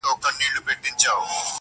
مُلا عزیز دی ټولو ته ګران دی!